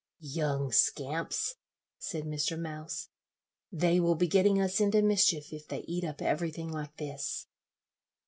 "Young scamps," said Mr. Mouse, "they will be getting us into mischief if they eat up everything like this."